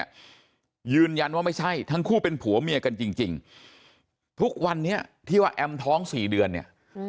ยืนยันว่าไม่ใช่ทั้งคู่เป็นผัวเมียกันจริงทุกวันนี้ที่ว่าแอมท้องสี่เดือนเนี่ย